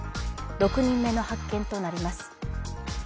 ６人目の発見となります。